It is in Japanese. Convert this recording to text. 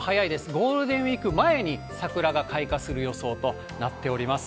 ゴールデンウィーク前に桜が開花する予想となっております。